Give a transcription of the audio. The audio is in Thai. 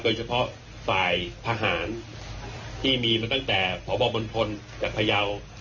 โดยเฉพาะฝ่ายทหารที่มีมาตั้งแต่พบบนพลจากพยาว